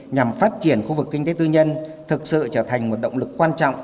nhằm phát triển khu vực kinh tế tư nhân thực sự trở thành một động lực quan trọng